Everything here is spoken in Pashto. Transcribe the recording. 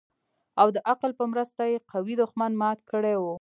او د عقل په مرسته يې قوي دښمن مات کړى و.